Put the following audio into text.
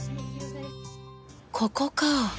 ここか。